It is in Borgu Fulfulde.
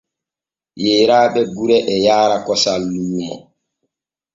Yeeraaɓe gure e yaara kosam luumo.